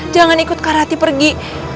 jangan ikut kak rati pergi